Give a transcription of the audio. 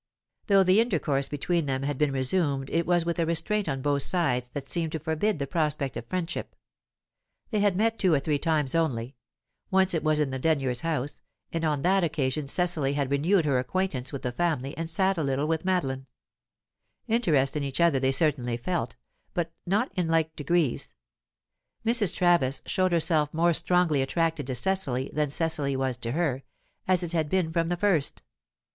Though the intercourse between them had been resumed, it was with a restraint on both sides that seemed to forbid the prospect of friendship. They had met two or three times only; once it was in the Denyers' house, and on that occasion Cecily had renewed her acquaintance with the family and sat a little with Madeline. Interest in each other they certainly felt, but not in like degrees; Mrs. Travis showed herself more strongly attracted to Cecily than Cecily was to her, as it had been from the first.